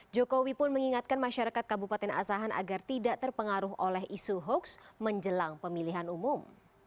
jokowi pun mengingatkan masyarakat kabupaten asahan agar tidak terpengaruh oleh isu hoax menjelang pemilihan umum